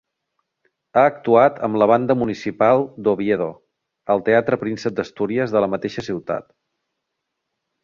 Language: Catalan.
Ha actuat amb la Banda Municipal d'Oviedo, al Teatre Príncep d'Astúries, de la mateixa ciutat.